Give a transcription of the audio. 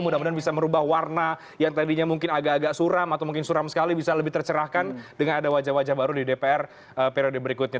mudah mudahan bisa merubah warna yang tadinya mungkin agak agak suram atau mungkin suram sekali bisa lebih tercerahkan dengan ada wajah wajah baru di dpr periode berikutnya